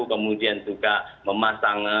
kemudian juga memasang